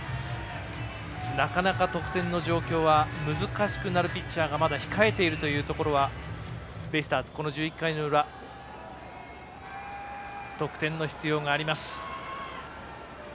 なかなか得点の状況は難しくなるピッチャーがまだ控えているというところはこの１１回の裏得点の必要があります。